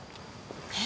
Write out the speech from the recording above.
えっ？